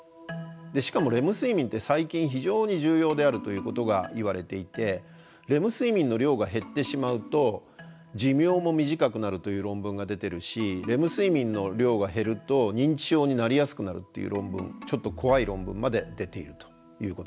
しかもレム睡眠って最近非常に重要であるということがいわれていてレム睡眠の量が減ってしまうと寿命も短くなるという論文が出てるしレム睡眠の量が減ると認知症になりやすくなるっていう論文ちょっと怖い論文まで出ているということです。